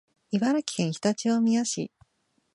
茨城県常陸大宮市